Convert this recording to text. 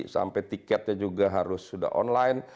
sampai tiketnya juga harus sudah online